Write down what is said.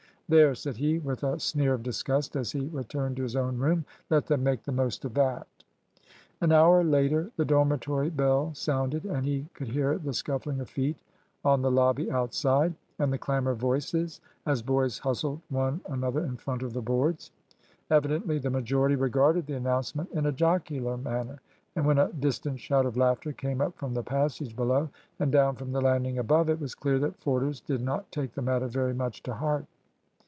"There!" said he, with a sneer of disgust, as he returned to his own room, "let them make the most of that." An hour later the dormitory bell sounded, and he could hear the scuffling of feet on the lobby outside, and the clamour of voices as boys hustled one another in front of the boards. Evidently the majority regarded the announcement in a jocular manner; and when a distant shout of laughter came up from the passage below, and down from the landing above, it was clear that Forders did not take the matter very much to heart.